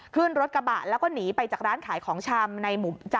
ขึ้นรถกระบะแล้วก็หนีไปจากร้านขายของชำในหมู่๗